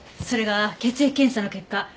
それが血液検査の結果